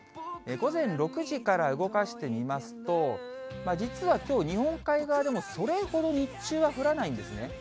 午前６時から動かしてみますと、実はきょう、日本海側でもそれほど日中は降らないんですね。